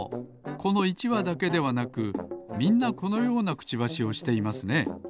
この１わだけではなくみんなこのようなクチバシをしていますね。